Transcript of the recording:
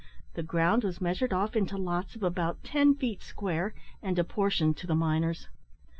The ground was measured off into lots of about ten feet square, and apportioned to the miners.